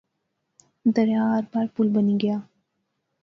دریا آر پار پل بنی گیا